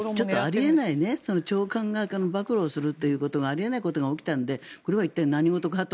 長官が暴露するということがあり得ないことが起きたのでこれは一体、何事だと。